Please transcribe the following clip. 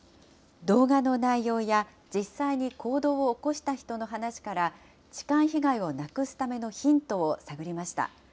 動画の内容や、実際に行動を起こした人の話から、痴漢被害をなくすためのヒントを探りました。